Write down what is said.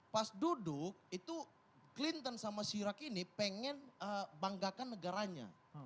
pas duduk itu clinton sama sirak ini pengen banggakan negaranya